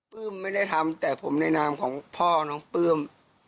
ไม่ได้ทำแต่ผมในนามของพ่อน้องปลื้ม